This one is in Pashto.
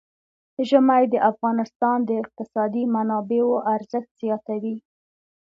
ژمی د افغانستان د اقتصادي منابعو ارزښت زیاتوي.